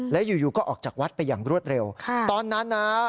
แล้วอยู่ก็ออกจากวัดไปอย่างรวดเร็วตอนนั้นนะ